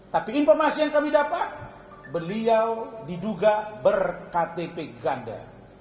tapi informasi yang kami dapat beliau diduga berktp ganda